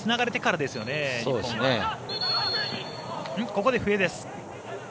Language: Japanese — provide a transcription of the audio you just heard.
ここで笛です。